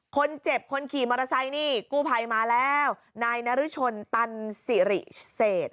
คนเจ็บคนขี่มอเตอร์ไซค์นี่กู้ภัยมาแล้วนายนรชนตันสิริเศษ